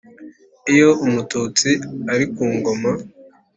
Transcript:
iyo umututsi ari ku ngoma